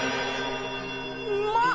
うまっ！